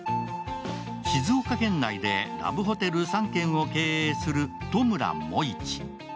静岡県内でラブホテル３軒を経営する戸村茂一。